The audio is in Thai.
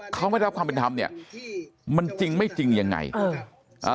เขาไม่ได้รับความเป็นธรรมเนี่ยมันจริงไม่จริงยังไงเอออ่า